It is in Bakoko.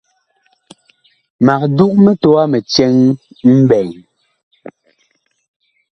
Mag dug mitowa mi cɛŋ mɓɛɛŋ.